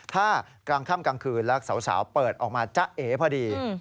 ถ้ากลางค่ำกลางคืนแล้วสาวเปิดออกมาจะเอพอดี